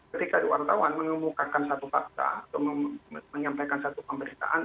jadi kalau kita mengatakan bahwa ini adalah hal yang tidak terjadi